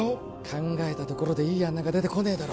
考えたところでいい案なんか出てこねえだろ